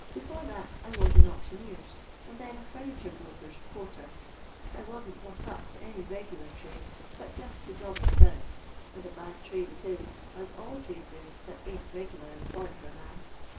Before that, I was an auctioneer's, and then a furniture broker's, porter. I wasn't brought up to any regular trade, but just to jobbing about, and a bad trade it is, as all trades is that ain't regular employ for a man.